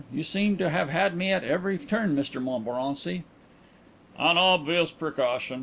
"You seem to have had me at every turn, Mr Montmorency." "An obvious precaution.